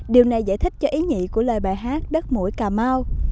điều này giải thích cho ý nhị của lời bài hát đất mũi cà mau